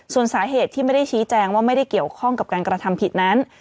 ส่วนสาเหตุที่ไม่ได้ชี้แจงว่าไม่ได้เกี่ยวข้องกับการกระทำผิดนั้น